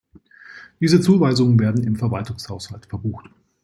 Diese Zuweisungen werden im Verwaltungshaushalt verbucht.